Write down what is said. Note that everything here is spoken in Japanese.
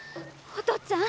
お父っつぁん。